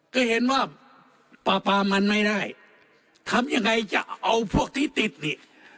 ก็เห็นว่าปลาปลามันไม่ได้ทำยังไงจะเอาพวกที่ติดนี่